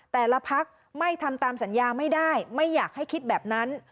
แต่ละพักไม่ทำตามสัญญาไม่ได้ไม่อยากให้คิดแบบนั้น